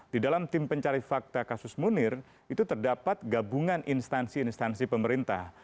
di dalam tim pencari fakta kasus munir itu terdapat gabungan instansi instansi pemerintah